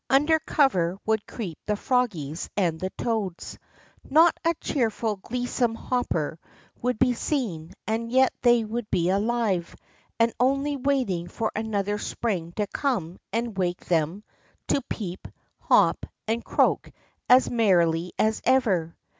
Under cover would creep the froggies and the toads. Hot a cheerful, gleesome hopper would be seen, and yet they would be alive, and only waiting for another spring to come and wake them, to peep, hop, and croak as merrily as ever.